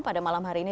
pada malam hari ini